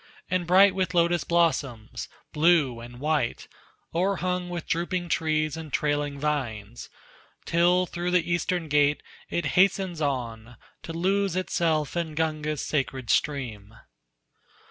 And bright with lotus blossoms, blue and white, O'erhung with drooping trees and trailing vines, Till through the eastern gate it hastens on, To lose itself in Gunga's sacred stream.